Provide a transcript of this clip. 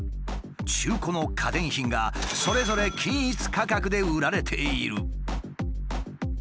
中古の家電品がそれぞれ均一価格で売られている。